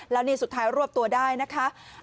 แล้วนี่สุดท้ายรวบตัวได้นะคะ